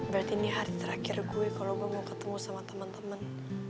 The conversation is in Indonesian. berarti ini hari terakhir gue kalo mau ketemu sama temen temen